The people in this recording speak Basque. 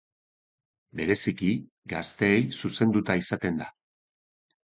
Bereziki gazteei zuzenduta izaten dira.